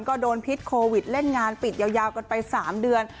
ก็โดนพิษโควิดเล่นงานปิดยาวกันไป๓เดือน